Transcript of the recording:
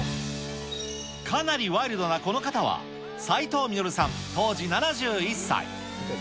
かなりワイルドなこの方は斉藤実さん当時７１歳。